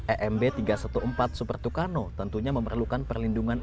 emb tiga ratus empat belas super tucano tentunya memerlukan perlindungan